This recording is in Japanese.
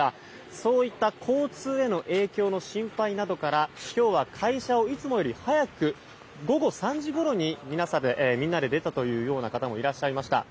そういった交通への影響の心配などから今日は会社をいつもより早く午後３時ごろにみんなで出たというような方もいらっしゃいました。